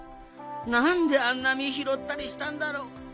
なんであんなみひろったりしたんだろう。